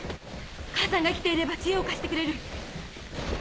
母さんが生きていれば知恵を貸してくれる。